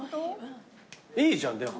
いいじゃんでも。